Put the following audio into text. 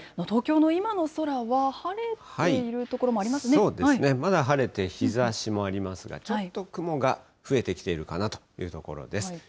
東京の今の空は、晴れている所もそうですね、まだ晴れて、日ざしもありますが、ちょっと雲が増えてきているかなというところです。